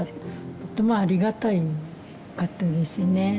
とってもありがたかったですね。